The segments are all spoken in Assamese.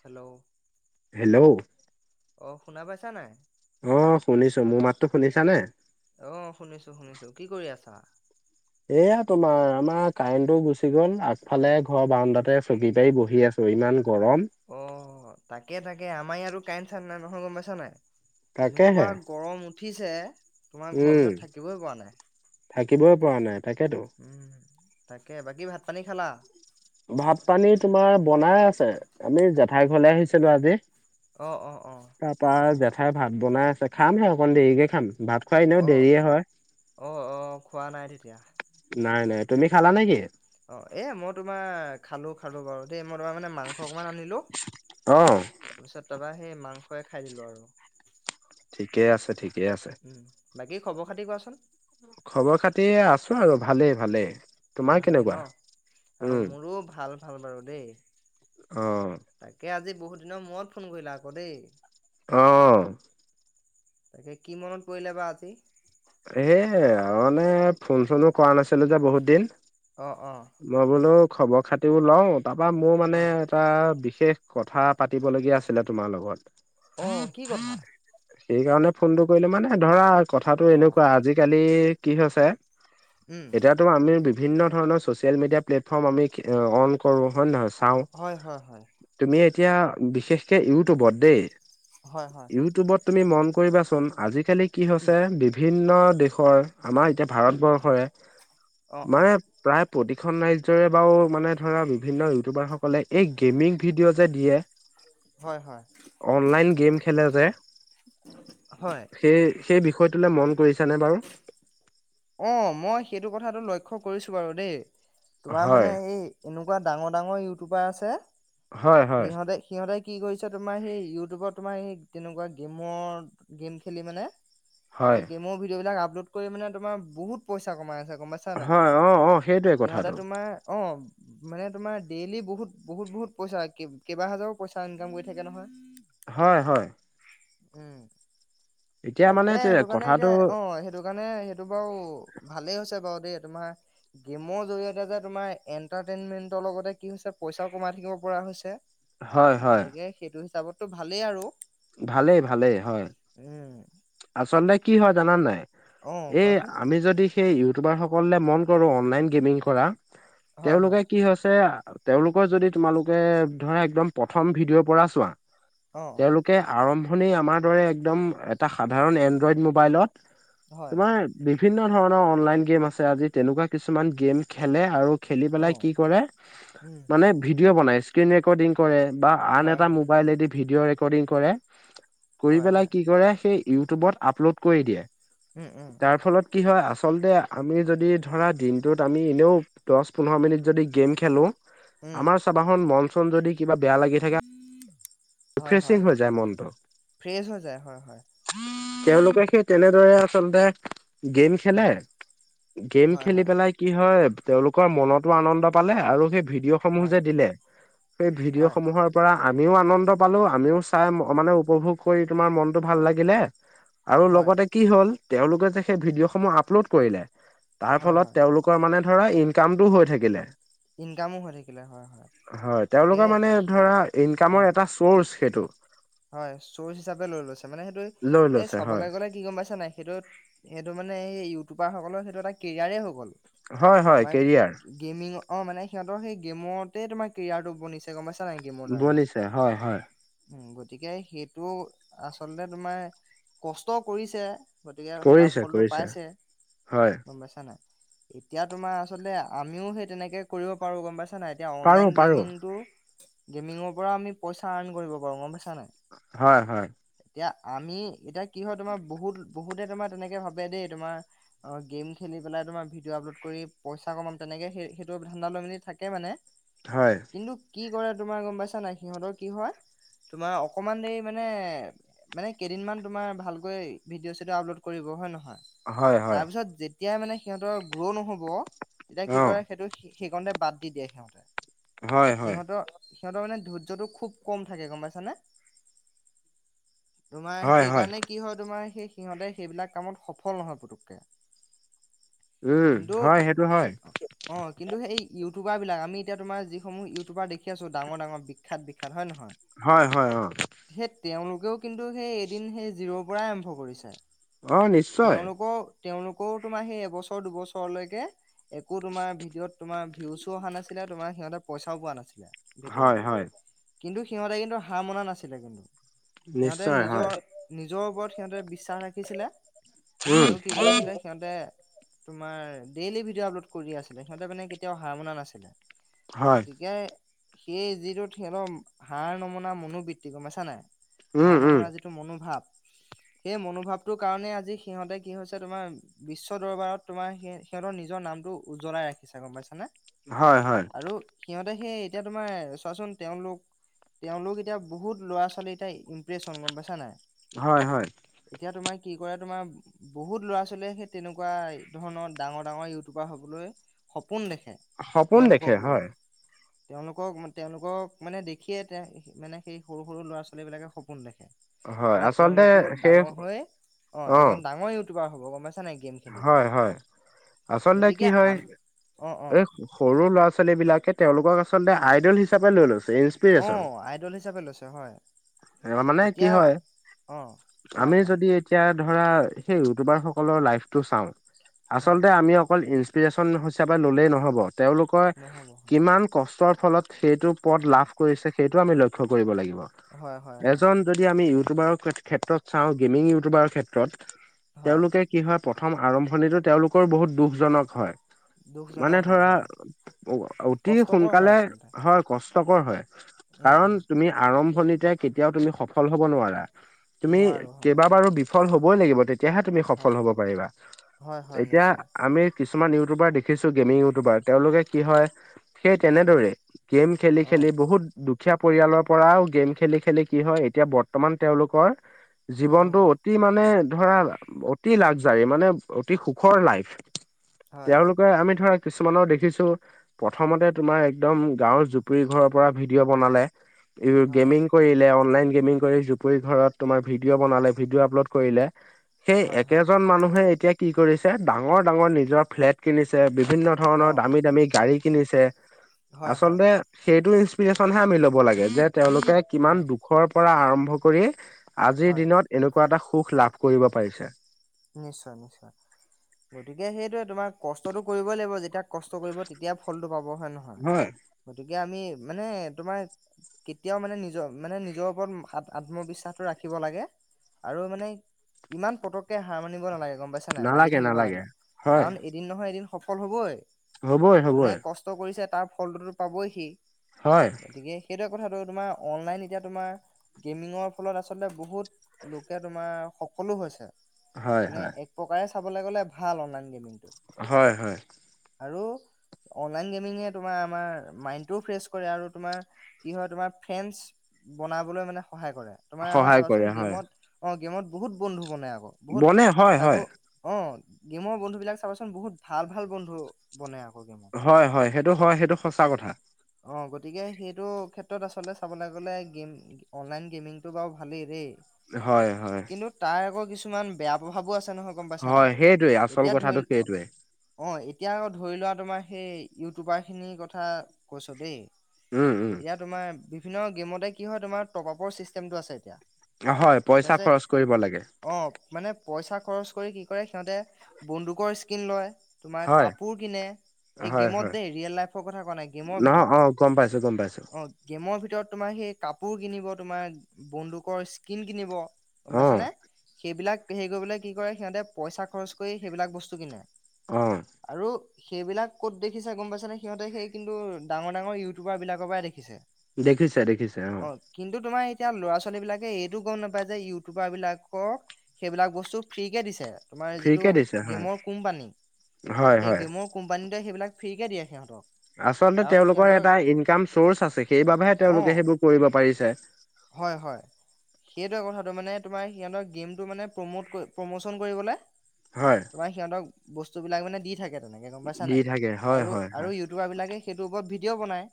হেল্ল' হেল্ল' অ শুনা পাইছা নাই অ শুনিছো মোৰ মাতো শুনিছাানে অ শুনিছো শুনিছো কি কৰি আছা এয়া তোমাৰ আমাৰ কাৰেণ্টটো গুচি গল আগফালে ঘৰ বাৰউডাতে চবিী পাৰি বহি আছো ইমান গৰম অ তাকে তাকে আমাৰ ইয়ো কাইনট চান নাই নহয় গম পাইছ নাই এনেকুৱা তাকেহে গৰম উঠিছে তোমাৰ ঘৰৰ উম ভিতৰত থাকিবই পৰা নাই থাকিবই পৰা নাই তাকেতো উম তাকে বাকী ভাত পানী খালা ভাত পানী তোমাৰ বনাই আছে আমি জেঠাই ঘৰলে আহিছিলো আজি অঁ অঁ অঁ খাই ভাত বনাই আছে খামহে অকণ দেৰিকৈ খাম ভাত খুৱাই এনেও অ দেৰিয়ে হয় অ অ খোৱা নাই তেতিয়া নাই নাই তুমি খালা নেকি অ' এ মই তোমাৰ খালো খালো বাৰু দেই মই তোমাৰ মানে মাংস অকমান আনিলো অ তাৰপিছত তাৰপৰা সেই মাংসই খাই দিলো আৰু। ঠিকেই আছে ঠিকেই আছে। উম বাকী খবৰ খাতি কোৱাচোন। খবৰ খাতি আছো আৰু ভালেই ভালে। ভালেই ন? অ মোৰো ভাল ভাল বাৰু দেই। অ তাকে আজি বহুত দিনৰ মূৰত ফোন কৰিলা আকৌ দেই। আহ। তাকে কি মনত পৰিলে বা আজি? এ মানে ফোন চোনো কৰা নাছিলো যে বহুত দিন। অঁ অঁ মই বোলো খবৰ খাতিও লও তাৰপৰা মোৰ মানে অঁ এটা বিশেষ বিশেষ কথা পাতিবলগীয়া আছিলে তোমাৰ লগত। অ' কি কথা? সেই কাৰণে ফোনটো কৰিলো মানে ধৰা কথাটো অঁ এনেকুৱা আজিকালি কি হৈছে এতিয়াতো আমি বিভিন্ন ধৰণৰ ছচিয়েল মিডিয়া প্লেটফৰ্ম আমি অন কৰো। হয় নহয় হয় হয় হয় চাও তুমি এতিয়া বিশেষকে ইউটিউবত দেই হয় হয়। ইউটিউবত তুমি মন কৰিবাচোন আজিকালি কি হৈছে বিন্ বিন্ দেশৰ আমাৰ এতিয়া ভাৰতবৰ্ষৰে অঁ অঁ মানে প্ৰায় প্ৰতিখন ৰাজ্যৰে বাৰু মানে ধৰা বিভিন্ন ইউটিউবাৰসকলে এই গেমিং ভিডিঅ' যে দিয়ে। হয় অনলাইন গেম খেলে যে হয় সেই সেই বিষয়টোলৈ মন কৰিছ নে বাৰু? অ মই সেইটো কথাটো লক্ষ্য কৰিছো বাৰু দেই। তোমাৰ হয় মানে এই এনেকুৱা ডাঙৰ ডাঙৰ ইউটিউবাৰ আছে, হয় হয় সিহঁতে সিহঁতে কি কৰিছে তোমাৰ সেই ইউটিউবৰ তোমাৰ সেই তেনেকুৱা গেমৰ গেম খেলি মানে হয় সেই গেমৰ ভিডিঅ' বিলাক আপলোড কৰি মানে তোমাৰ বহুত পইচা কমাই আছে। গম পাইছা নাই হয় অ' অ' সেইটোৱে সিহঁতে কথাটো। তোমাৰ অ মানে তোমাৰ ডেইলি বহুত বহুত বহুত পইচা কেইবা হাজাৰো পইচা ইনকাম কৰি থাকে নহয়। হয় হয়। উম। এতিয়া মানে তাকে তে সেইটো কাৰণে এতিয়া কথাটো অ' সেইটো কাৰণে সেইটো বাৰু ভালেই হৈছে বাৰু। দেই তোমাৰ গেমৰ জৰিয়তে যে তোমাৰ এন্টাৰটেইনমেন্টৰ লগতে কি হৈছে পইচাও কমাই থাকিব পৰা হৈছে হয় হয় গতিকে সেইটো হিচাপততো ভালেই আৰু। ভালেই ভালেই হয়। উম আচল্ততে কি হয় জানান নাই, অ এই কোৱাচোন আমি যদি সেই ইউটিউবাৰ সকল মন কৰো অনলাইন গেমিং কৰা হয় তেওঁলোকে হয় কি হৈছে তেওঁলোকৰ যদি তোমালোকে ধৰা একদম প্ৰথম ভিডিঅ' পৰা চোৱা। অ তেওঁলোকে আৰম্ভণি আমাৰ দৰে একদম এটা সাধাৰণ এনড্ৰইড মোবাইলত হয় তোমাৰ বিভিন্ন ধৰণৰ অনলাইন গেম আছে আজি তেনেকুৱা কিছুমান গেম খেলে আৰু খেলি অ পেলাই কি কৰে উম মানে ভিডিঅ' বনাই স্ক্ৰীন ৰেকৰ্ডিং কৰে। বা আন হয় এটা হয় মোবাইলেদি ভিডিঅ' ৰেকৰ্ডিং কৰে কৰি হয় পেলাই হয় কি কৰে সেই ইউটিউবত আপলোড কৰি দিয়ে উম উম তাৰ ফলত কি হয় আ আচলতে আমি যদি ধৰা দিনটোত আমি এনেও দহ পোন্ধৰ মিনিট যদি গেম খেলোঁ। উম আমাৰ চাবাখন মন চন যদি কিবা বেয়া লাগি থাকে হয় হয় ৰিফ্ৰেছিং হৈ যায় মনটো। ফ্ৰেছ হৈ যায় হয় হয় তেওঁলোকে সেই তেনেদৰে আচলতে গেম খেলে উম গেম হয় খেলি হয় পেলাই কি হয় তেওঁলোকৰ মনতো আনন্দ পালে আৰু সেই ভিডিঅ সমূহ হয় যে দিলে সেই ভিডিঅ' হয় সমূহৰ পৰা আমিও আনন্দ পালো আমিও চাই মানে উপভোগ কৰি তোমাৰ মনতটো ভাল লাগিলে। আৰু হয় লগতে কি হ'ল তেওঁলোকে যে সেই ভিডিঅ' সমূহ আপলোড কৰিলে তাৰ হয় ফলত হয় তেওঁওলোকৰ মানে ধৰা ইনকামটো হৈ থাকিলে। ইনকামো হৈ থাকিলে হয় গতিকে তেওঁলোকৰ মানে ধৰা অ ইনকামৰ এটা চৰ্চ সেইটো হয় চৰ্চ হিচাপে লৈ লৈছে মানে সেইটো লৈ এই লৈছে হয় চাবলৈ গলে কি গম পাইছো নাই সেইটোত সেইটো মানে মানে এই ইউটিউবাৰক সেইটো এটা কেৰিয়াৰেই হৈ গ'ল হয় হয় মানে কেৰিয়াৰ গেমিং অ মানে সিহঁতৰ সেই গেমতে তোমাৰ কেৰিয়াৰটো বনিছে গম পাইছে বনিছে হয় হয়। উ গতিকে সেইটো আচলতে তোমাৰ কষ্টও কৰিছে। গতিকে সেই তাৰ কৰিছে ফলটো কৰিছে পাইছে হয় গম পাইছা নাই। এতিয়া তোমাৰ আচলতে আমিও সেই তেনেকে কৰিব পাৰো গম পাইছা ন এতিয়া পাৰো অনলাইন পাৰো গেমিং টো গেমিঙৰ পৰা আমি পইচা আৰ্ন কৰিব পাৰো গম পাইছা নাই। হয় হয়। এতিয়া আমি এতিয়া কি হয় তোমাৰ বহুত বহুতে তোমাৰ তেনেকে ভাবে দেই তোমাৰ অ গেম খেলি দি পেলাই তোমাৰ ভিডিঅ' আপলোড কৰি পইচা কমাম তেনেকে সেই সেইটো ধ্দা লৈ মেলি মানে হয় কিন্তু কি কৰে তোমাৰ গম পাইছা নাই সিহঁতৰ কি হয় তোমাৰ অকমান দেৰি মানে মানে কেইদিনমান তোমাৰ ভালকৈ ভিডিঅ' চিডিঅ' আপলোড কৰিব হয় নহয় হয় হয়। তেতিয়া মানে সিহঁতৰ গ্ৰ' নহব তেতিয়া কি অ কৰে সেইটো সেইকাৰণতে বাদ দি দিয়ে সিহঁতে। হয় হয় সিহঁতৰ সিহঁতৰ মানে ধৈৰ্য্যটো খুব কম থাকে গম পাইছানে। তোমাৰ হয় হয় সেইকাৰণে কি হয় তোমাৰ সেই সিহঁতে সেইবিলাক কামত সফল নহয় পুতুককে। উম কিন্তু হয় সেইটো হয় অ কিন্তু সেই ই ইউটিউবাৰ বিলাক আমি এতিয়া তোমাৰ যিসমহ ইউটিউবাৰ দেখি আছোঁ ডাঙৰ ডাঙৰ বিষাত বিষাত হয় নহয়। হয় হয় হয়। ও কিন্তু সেই এদিন সেই জিৰ'ৰ পৰাই আৰম্ভ কৰিছে। অ নিশ্চয়। তেওঁলোকৰও তোমাৰ সেই এবছৰ দুবছৰলৈকে একো তোমাৰ ভিডিঅ'ত তোমাৰ ভিউজও অহা নাছিল তোমাৰ সিহঁতে পইচাও পোৱা নাছিলে ভিতৰৰ হয় হয় পৰা কিন্তু সিহঁতে কিন্তু সাৰ মনা নাছিলে কিন্তু সিহঁতে নিশ্চয় হয় নিজৰ নিজৰ ওপৰত সিহঁতে বিশ্বাস ৰাখিছিলে উম আৰু কি কৰিছিলে সিহঁতে তোমাৰ ডেইলি ভিডিঅ' আপলোড কৰি আছিলে সিহঁতে মানে কেতিয়াও হাৰ মনা নাছিলে। হয় গতিকে সেই যিটো হেতৰ হাৰ নমনা মনোবৃত্তি গম পাইছা নে উম হাৰ উম নমুনা যিটো মনোভাৱ [inaudible] সেই মনোভাৱটোৰ কাৰণে আজি সিহঁতে কি হৈছে তোমাৰ বিশ্ব দৰবাৰত তোমাৰ সি সিহঁতৰ নিজৰ নাম টো উজ্বলাই ৰাখিছে গম পাইছা নে। হয় হয় আৰু সিহঁতে সেই এতিয়া তোমাৰ চোৱাচোন তেওঁলোক তেওঁলোক এতিয়া বহুত ল'ৰা ছোৱালী এতিয়া ইম্প্ৰেচন গম পাইছা নাই। হয় হয়। এতিয়া তোমাৰ কি কৰে তোমাৰ বহুত ল'ৰা ছোৱালীয়ে সেই তেনেকুৱা ধৰণৰ ডাঙৰ ডাঙৰ ইউটিউবাৰ হ'বলৈ [inaudible] সপোন দেখে সপোন দেখে তেওঁলোকক লৈয়ে হয় তেওঁলোকক তেওঁলোকক মানে দেখিয়ে এতিয়া মানে সেই সৰু সৰু ল'ৰা ছোৱালী বিলাকে সপোন দেখে। হয় যে আচলতে তেওঁলোকেও সেই ডাঙৰ হৈ অ এজন ডাঙৰ ইউটিউবাৰ হব গম পাইছা নাই গেম খেলি হয় হয় আচলতে কি গতিকে হয় আম অ অ এ সৰু ল'ৰা ছোৱালী বিলাকে তেওঁলোকক আচলতে আইডল হিচাপে লৈ লোয় অ আইডল হিচাপে লৈছে হয়। এ মানে কি এতিয়া হয় অ কোৱা আমি কোৱা যদি এতিয়া ধৰা হেই ইউটিউবাৰ সকলৰ লাইফটো চাওঁ হয় আচলতে আমি অকল লে নব [unintelligible] তেওঁলোকৰ নহ'ব হয় কিমান কৰ ফলত সেইটো পদ লাভ কৰিছে সেইটো আমি লক্ষয় [unintelligible] কৰিব লাগিব হয় হয় হয় এজন যদি আমি হয় ক্ষলোকে [inaudible] কি হয় প্ৰথম আৰম্ভণিতো তেওঁলোকৰ বহুত দুখজনক হয় মানে দুখজনক হয় ধৰা হয় অতি কষ্টকৰ হয় সোনকালে আচলতে হয় কষ্টকৰ হয় উম কাৰণ উম তুমি আৰম্ভণিতে কেতিয়াও তুমি সফল হব নোৱাৰা তুমি নোৱাৰো হয় কেইব বাৰো বিফল হবই লাগিব তেতিয়াহে তুমি সফল হয় হ'ব হয় হয় এতিয়া নিশ্চয় আমি কি কিছুমান ইউটিউবাৰ দেখিছো গেমিং ইউটিউবাৰ তেওঁলোকে কি হয় সেই হয় তেনেদৰে গেম খেলি অ খেলি বহুত দু [unintelligible] সিক্ষা [unintelligible] পৰিয়ালৰ পৰাও গেম খেলি খেলি কি হয় এতিয়া বৰ্তমান তেওঁলোকৰ অ জীৱনটো অতি মানে ধৰা অতি লাকজাৰী মানে অতি সুখৰ লাইফ হয় তেওঁলোকে আমি ধৰা কিছুমানৰ দেখিছো প্ৰথমতে তোমাৰ একদম গাঁৱৰ জুপৰি ঘৰৰ পৰা ভিডিঅ' বনালে ই হয় গেমিং কৰিলে অনলাইন গেমিং কৰি জুপুৰি ঘৰত ভিডি [unintelligible] বনালে ভিডিঅ আপলোড কৰিলে সেই হয় হয় একেজন মানুহে এতিয়া কি কৰিছে ডাঙৰ ডাঙৰ নিজৰ ফ্লেট কিনিছে বিভিন্ন অ ধৰণৰ দামী দামী গাড়ী কিনিছে হয় হয় আচলতে সেইটো ইনসপিৰেচনহে আমি ল'ব লাগে যে তেওঁলোকে কিমান হয় দুখৰ পৰা আৰম্ভ কৰি আজিৰ হয় দিনত এনেকুৱা এটা সুখ লাভ কৰিব পাৰিছে নিশ্চয় নিশ্চয় [unintelligible] গতিকে সেইটোয়ে তোমাৰ কষ্টটো কৰিবই লাগিব যেতিয়া কষ্ট কৰিব তেতিয়া ফলটো পাব [unintelligible] হয় নহয় হয়। গতিকে আমি মানে তোমাৰ কেতিয়াও মানে নিজৰ মানে নিজৰ ওপৰত আত্মবিশ্বাসটো ৰাখিব লাগে আৰু মানে ইমান পতক তে হাৰ মানিব নালাগে গম পাইছা নাই লাগি নালাগে থাকিব লাগে নালাগে হয় কাৰণ এদিন নহয় এদিন সফল হবই হ'বই যোনে হ'বই কষ্ট কৰিছে তাৰ ফলটোতো পাবই সি হয় গতিকে সেইটো কথাটো তোমাৰ অনলাইন এতিয়া তোমাৰ গেমিংৰ ফলত আচলতে বহুত লোকে তোমাৰ সকলো হৈছে হয় মানে হয় এক প্ৰকাৰে চাবলে গ'লে ভাল অনলাইন গেমিং টো হয় হয় আৰু অনলাইন গেমিং এ তোমাৰ আমাৰ মাইণ্ড টোও ফ্ৰেছ কৰে আৰু তোমাৰ কি হয় তোমাৰ ফ্ৰে [unintelligible] বনাবলৈ মানে সহায় কৰে তোমাৰ আমাৰ সহায় চাবাচোন কৰে হয় গেমত অ গেমত বহুত বন্ধু বনাই আৰু বনে হয় হয় গেমৰ বন্ধু বিলাক চাবচোন বহুত ভাল ভাল বন্ধু বনে আৰু হয় হয় সেইটো হয় সেইটো সঁচা কথা অ গতিকে সেইটো ক্ষেত্ৰত আচলতে চাবলৈ গ'লে গেম অনলাইন গেমিংটো বাৰু ভালেই দেই হয় হয় কিন্তু তাৰ আকৌ কিছুমান বেয়া প্ৰভাৱো আছে গম পা নাই হয় সেইটোৱে আচল এতিয়া কথাটো সেইটোৱে অ এতিয়া ধৰি লোৱা তোমাৰ সেই ইউটিউবাৰ খিনিৰ কথা কৈছ দেই উম উম এতিয়া তোমাৰ বিভিন্ন গেমতে কি হয় তোমাৰ টপআপৰ ছিষ্টেমটো আছে এতিয়া হয় পইচা তাৰপিছত খৰচ কৰিব লাগে অ মানে পইচা খৰচ কৰি কি কৰে সিহঁতে বন্দুকৰ স্কিন লয় তোমাৰ হয় কাপোৰ কিনে সেই হয় গেমত হয় দেই ৰিয়েল লাইফৰ কথা কোৱা নাই গেমৰ নহয় ভিতৰত অ গম পাইছো গম পাইছো অ গেমৰ ভিতৰত তোমাৰ সেই কাপোৰ কিনিব তোমাৰ বন্দুকৰ স্কিন কিনিব অ পাইছানে সেইবিলাক হেৰি কৰিবলৈ কি কৰে সিহঁতে পইচা খৰচ কৰি সেইবিলাক বস্তু কিনে আহ আৰু সেইবিলাক ক'ত দেখিছে গম পাইছে নে সিহঁতে সেই কিন্তু ডাঙৰ ডাঙৰ ইউটিউবাৰ বিলাকৰ পৰাই দেখিছে দেখিছে দেখিছে অ কিন্তু তোমাৰ এতিয়া ল'ৰা ছোৱালী বিলাকে এইটো গম নাপায় যে ইউটিউবাৰ বিলাকক সেইবিলাক বস্তু ফ্ৰী কে দিছে তোমাৰ যিটো ফ্ৰীকে দিছে হয় গেমৰ কোম্পানী হয় সেই হয় গেমৰ কোম্পানীতোৱে সেইবিলাক ফ্ৰী কে দিয়ে সিহঁতক আচলতে কাৰণ তেওঁলোকৰ সিহঁতৰ এটা ইনকাম চৰ্চ আছে সেইবাবেহে অ তেওঁলোকে সেইবোৰ কৰিব পাৰিছে হয় হয় সেইটোৱে কথাটো মানে তোমাৰ সিহঁতৰ গেমটো মানে প্ৰমোট প্ৰমোচন কৰিবলৈ হয় তোমাৰ সিহঁতক বস্তু বিলাক মানে দি থাকে তেনেকে গম পাইছা দি নাই থাকে হয় হয় হয় আৰু ইউটিউবাৰ বিলাকে সেইটোৰ ওপৰত ভিডিঅ' বনাই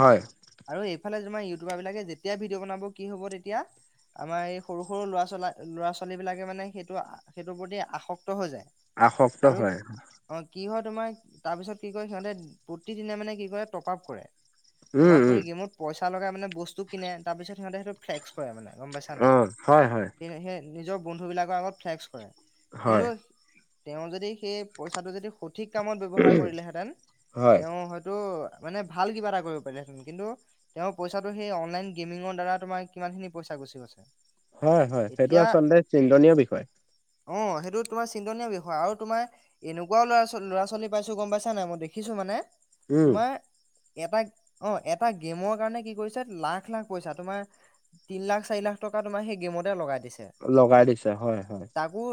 হয় এইফালে তোমাৰ ইউটিউবাৰ বিলাকে যেতিয়া ভিডিঅ' বনাব কি হব তেতিয়া আমাৰ এই সৰু সৰু লৰা ছা ল'ৰা ছোৱালী বিলাকে মানে সেইটো সেইটোৰ প্ৰতি আসক্তি আসক্ত হয় অ কি হয় তোমাৰ তাৰপিছত কি কয় সিহঁতে প্ৰতিদিনে মানে কি কৰে টপআপ কৰে উম [unintelligible] কৰি উম গেমত পইচা লগাই মানে বস্তু কিনে তাৰ পিছত সিহঁতে সেইটো ফ্লেক্স কৰে মানে গম পাইছা অ নাই হয় হয় সেই নিজৰ বন্ধু বিলাকৰ আগত ফ্লেক্স কৰে কিন্তু হয় তেওঁ যদি সেই পইচাটো যদি সঠিক কামত ব্যৱহাৰ কৰিলেহেঁতেন হয় তেওঁ হয়তো মানে ভাল কিবা এটা কৰিব পাৰিলহেঁতেন কিন্তু তেওঁৰ পইচাটো সেই অনলাইন গেমিঙৰ দ্বাৰা তোমাৰ কিমানখিনি পইচা গুচি গৈছে হয় হয় সেইটো এতিয়া আচলতে চিন্তনীয় বিষয় অ সেইটো তোমাৰ চিন্তনীয় বিষয় আৰু তোমাৰ এনেকুৱাওৰ ল'ৰা ছোৱালী পাইছো গম পাইছ নাই মই দেখিছো মানে উম তোমাৰ এটা অ এটা গেমৰ কাৰণে কি কৰিছে লাখ লাখ পইচা তোমাৰ তিন লাখ চাৰি লাখ টকা তোমাৰ সেই গেমতে লগাই দি লগাই দিছে হয় হয়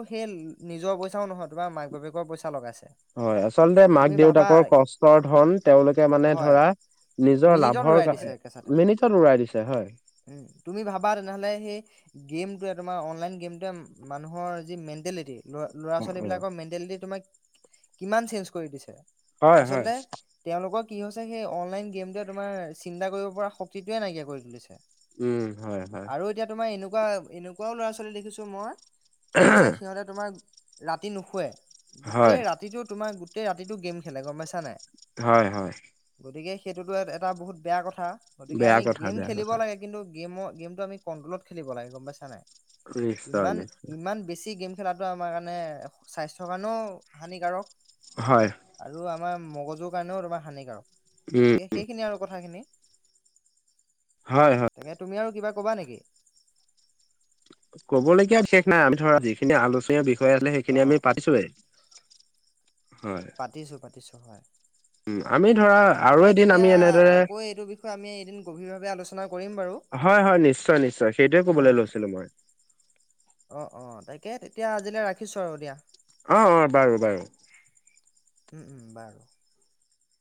সেই নিজৰ পইচাও নহয় তোমাৰ মাক বাপেকৰ পইচা লগাইছে হয় আচলতে মাক তুমি ভাবা দেউতাকৰ কষ্টৰ ধন তেওঁলোকে মানে হয় ধৰা নিজৰ মিনিটত লাভৰ উৰাই কাৰ দিছে একেচাতে মিনিটত উৰাই দিছে হয় উম তুমি ভাবা তেনেহ'লে সেই গেমটোৱে তোমাৰ অনলাইন গেমটোৱে মানুহৰ যি মেণ্টেলিটি ল ল'ৰা ছোৱালী অ', বিলাকৰ মেণ্টেলিটি তোমাক কিমান চেঞ্জ কৰি দিছে হয় হয় আচলতে তেওঁলোকক কি হৈছে সেই অনলাইন গেমটোৱে তোমাৰ চিন্তা কৰিব পৰা শক্তিটোৱে নাইকিয়া কৰি তুলিছে উম হয় হয় আৰু এতিয়া তোমাৰ এনেকুৱা এনেকুৱাও ল'ৰা ছোৱালী দেখিছো মই কি হৈছে সিহঁতে তোমাক ৰাতি নুশুৱে হয় গোটেই ৰাতিটো তোমাৰ গোটেই ৰাতিটো গেম খেলে গম পাইছা নাই হয় হয় গতিকে সেইটোতো এটা বহুত বেয়া কথা গতিকে বেয়া আমি কথা গেম বেয়া খেলিব কথা লাগে কিন্তু গেমত গেমটো আমি কন্ট্ৰলত খেলিব লাগে গম পাইছা নে নাই নিশ্চয় ইমান নিশ্চয় ইমান বেছি গেম খেলাটো আমাৰ কাৰণে স্বাস্থ্যৰ কাৰণেও হানিকাৰক হয় তোমাৰ মগজুৰ কাৰণেও তোমাৰ হানিকাৰক উম। গতিকে সেইখিনি আৰু কথাখিনি হয় হয় তাকে তুমি আৰু কিবা ক'বা নেকি কবলগীয়া বিশেষ নাই আমি ধৰা যিখিনি আলোচনীয় বিষয় আছিলে অ সেইখিনি আমি পাতিছোৱেই হয় পাতিছো পাতিছো হয় উম আমি ধৰা অ আৰু তাকে এদিন তেতিয়া আমি এনেদৰে আকৌ এইটো বিষয়ে আমি এদিন গভীৰভাৱে আলোচনা কৰিম বাৰু হয় হয় নিশ্চয় নিশ্চয় সেইটোৱে কবলৈ নহয় জানো লৈছিলো মই অ অ তাকে তেতিয়া আজিলৈ ৰাখিছো আৰু দিয়া অ অ বাৰু বাৰু উম উম বাৰু